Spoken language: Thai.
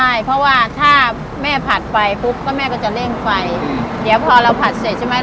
ใช่เพราะว่าถ้าแม่ผัดไปปุ๊บก็แม่ก็จะเร่งไฟเดี๋ยวพอเราผัดเสร็จใช่ไหม